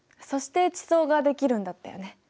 そして地層ができるんだったよね。